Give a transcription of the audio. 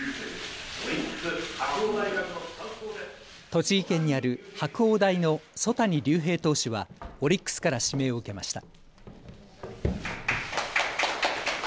栃木県にある白鴎大の曽谷龍平投手はオリックスから指名を受けました。